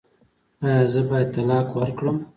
ایا زه باید طلاق ورکړم؟